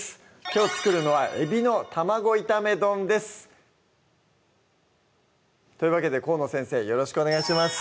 きょう作るのは「エビの卵炒め丼」ですというわけで河野先生よろしくお願いします